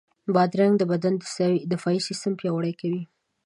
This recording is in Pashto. بادرنګ د بدن دفاعي سیستم پیاوړی کوي.